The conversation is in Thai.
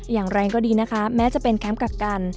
อย่างไรก็ดีนะคะแม้จะเป็นแคมป์กักกัน